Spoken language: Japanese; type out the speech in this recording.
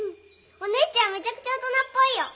お姉ちゃんめちゃくちゃ大人っぽいよ。